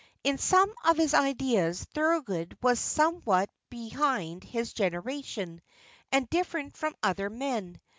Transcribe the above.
In some of his ideas Thorold was somewhat behind his generation, and different from other men.